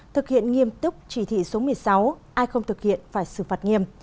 thực hiện nghiêm túc chỉ thị số một mươi sáu ai không thực hiện phải xử phạt nghiêm